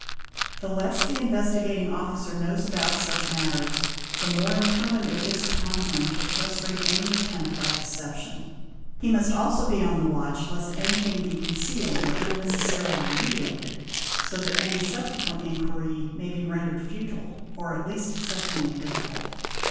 The less the Investigating 'Officer knows about such matters the more incumbent is it upon him to frustrate any attempt at deception. He must also be on the watch lest anything be concealed or unnecessarily mutilated, so that any subsequent inquiry may be rendered futile or at least exceptionally difficult.